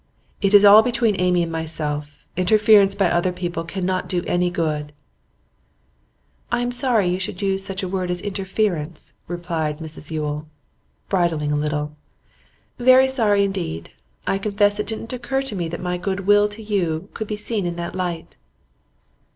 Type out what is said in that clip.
It is all between Amy and myself. Interference by other people cannot do any good.' 'I am sorry you should use such a word as "interference,"' replied Mrs Yule, bridling a little. 'Very sorry, indeed. I confess it didn't occur to me that my good will to you could be seen in that light.